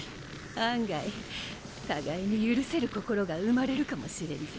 案外互いに許せる心が生まれるかもしれんぞ。